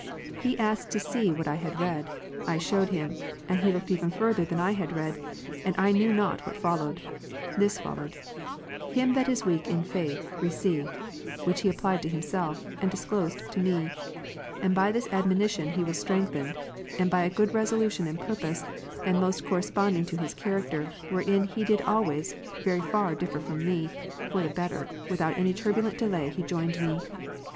He asked to see what I had read : I shewed him ; and he looked even further than I had Rom. read, and I knew not what followed. This followed, ^im that '■ is iveak in the faith, receive; which he applied to himself, and disclosed to me. And by this admonition was he strengthened; and by a good resolution and purpose, and most corresponding to his character, wherein he did always very far differ from me, for the better, without any turbulent delay he joined me.